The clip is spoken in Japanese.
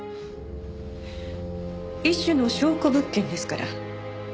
一種の証拠物件ですから。